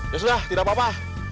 ya sudah tidak apa apa